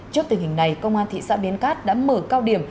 trước tình hình này công an thị xã biên cát đã mở cao điểm